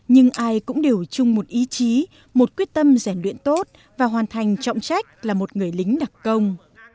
nhưng ai cũng đều chung một ý chí một quyết tâm rèn luyện tốt và hoàn thành trọng trách là một người lính đặc công